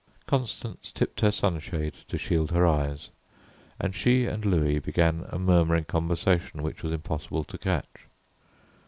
Constance tipped her sunshade to shield her eyes, and she and Louis began a murmuring conversation which was impossible to catch.